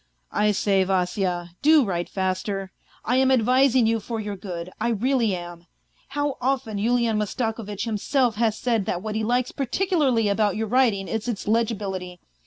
" I say, Vasya, do write faster ; I am advis ing you for your good, I really am ! How often Yulian Mastako vitch himself has said that what he likes particularly about j'our writing is its legibility.